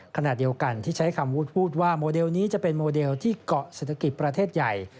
ขณะเดียวกันที่ใช้คำพูดว่าโมเดลนี้จะเป็นโมเดลที่เกาะเศรษฐกิจประเทศใหญ่